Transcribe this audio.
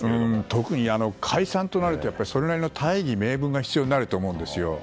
特に、解散となるとそれなりの大義名分が必要になると思うんです。